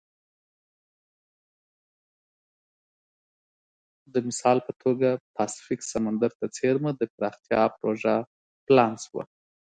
د مثال په توګه پاسفیک سمندر ته څېرمه د پراختیا پروژه پلان شوه.